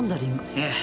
ええ。